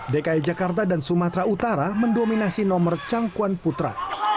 dki jakarta dan sumatera utara mendominasi nomor cangkuan putra